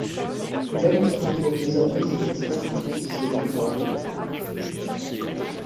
L'homme qui contrôle désormais ces assassins vise le pouvoir.